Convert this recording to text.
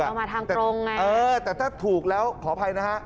เอามาทางตรงไงเออแต่ถ้าถูกแล้วขออภัยนะฮะ